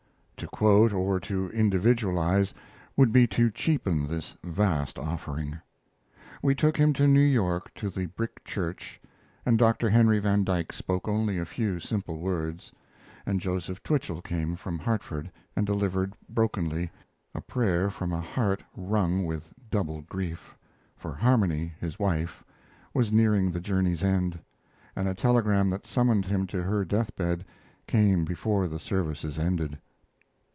To quote or to individualize would be to cheapen this vast offering. We took him to New York to the Brick Church, and Dr. Henry van Dyke spoke only a few simple words, and Joseph Twichell came from Hartford and delivered brokenly a prayer from a heart wrung with double grief, for Harmony, his wife, was nearing the journey's end, and a telegram that summoned him to her death bed came before the services ended.